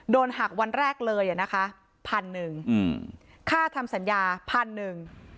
หักวันแรกเลยอ่ะนะคะพันหนึ่งค่าทำสัญญาพันหนึ่ง